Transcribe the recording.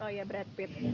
oh ya brad pitt